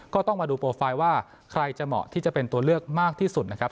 ก็ต้องมาดูโปรไฟล์ว่าใครจะเหมาะที่จะเป็นตัวเลือกมากที่สุดนะครับ